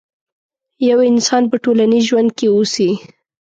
يو انسان په ټولنيز ژوند کې اوسي.